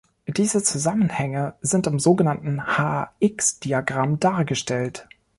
Diese Zusammenhänge sind im sogenannten h-x-Diagramm dargestellt.